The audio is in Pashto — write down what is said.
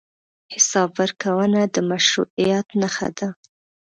حساب ورکونه د مشروعیت نښه ده.